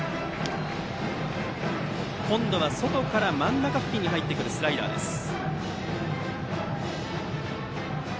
今度は外から真ん中付近に入ってくるスライダーでした。